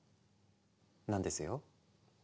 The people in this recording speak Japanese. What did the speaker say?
なんですよ。